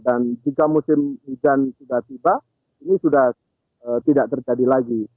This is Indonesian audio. jika musim hujan sudah tiba ini sudah tidak terjadi lagi